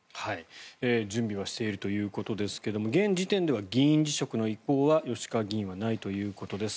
準備はしているということですけども現時点では議員辞職の意向は吉川議員はないということです。